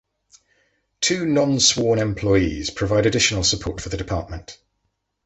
Two non-sworn employees provide additional support for the department.